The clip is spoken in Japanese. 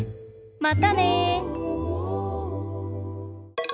またね！